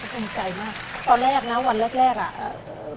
ภูมิใจมากตอนแรกนะวันแรกแรกอ่ะ